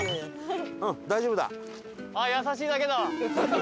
優しいだけ。